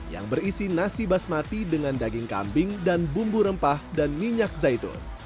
yang berisi nasi basmati dengan daging kambing dan bumbu rempah dan minyak zaitun